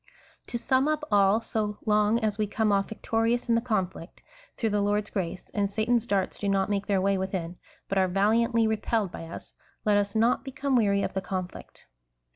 To sum up all, so long as we come off victo rious in the conflict, through the Lord's grace, and Satan's darts do not make their way within, but are valiantly re pelled by us, let us not become weary of the conflict.